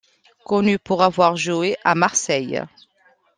Connu pour avoir joué à Marseille.